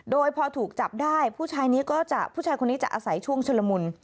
โดยพอถูกจับได้ผู้ชายคนนี้จะอาศัยช่วงชลมุน